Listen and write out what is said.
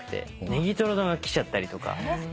ネギトロ丼が来ちゃったりとか。